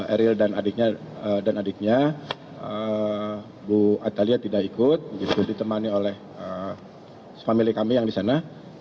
eril dan adiknya bu atalia tidak ikut ditemani oleh family kami yang di sana